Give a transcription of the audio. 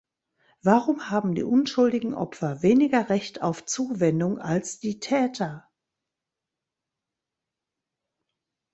Warum haben die unschuldigen Opfer weniger Recht auf Zuwendung als die Täter?